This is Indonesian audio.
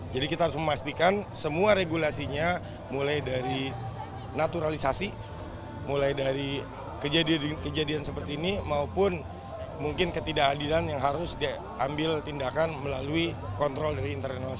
jadi kita harus memastikan semua regulasinya mulai dari naturalisasi mulai dari kejadian seperti ini maupun mungkin ketidakadilan yang harus diambil tindakan melalui kontrol dari international